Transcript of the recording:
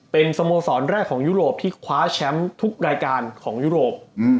เป็นสโมสรแรกของยุโรปที่คว้าแชมป์ทุกรายการของยุโรป